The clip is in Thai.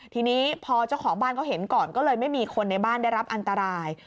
ทีนี้พอเจ้าของบ้านเขาเห็นก่อนก็เลยไม่มีคนในบ้านได้รับอันตราย